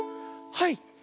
はい。